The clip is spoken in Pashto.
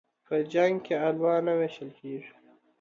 په جنگ کې الوا نه ويشل کېږي.